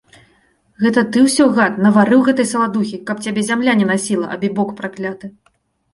Гэта ты ўсё, гад, наварыў гэтай саладухі, каб цябе зямля не насіла, абібок пракляты!